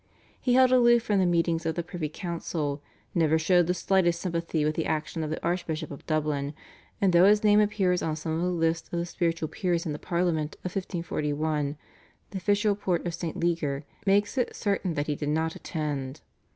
He held aloof from the meetings of the privy council, never showed the slightest sympathy with the action of the Archbishop of Dublin, and though his name appears on some of the lists of the spiritual peers in the Parliament of 1541, the official report of St. Leger makes it certain that he did not attend.